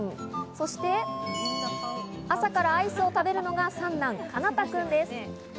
そして、朝からアイスを食べるのが三男・奏くんです。